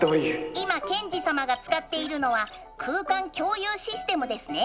今ケンジ様が使っているのは空間共有システムですね？